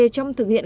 trong thực hiện